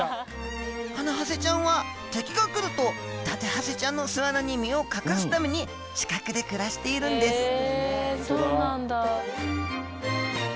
ハナハゼちゃんは敵が来るとダテハゼちゃんの巣穴に身を隠すために近くで暮らしているんですそうなんだ！